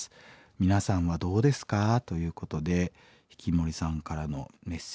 皆さんはどうですか？」ということでヒキモリさんからのメッセージ。